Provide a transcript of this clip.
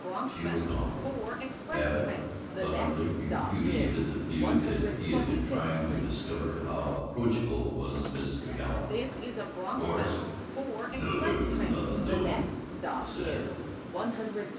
She was gone. Babbitt utterly repudiated the view that he had been trying to discover how approachable was Miss McGoun. "Course! knew there was nothing doing!" he said.